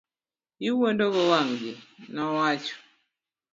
Iwuondo go wang' ji, nowacho.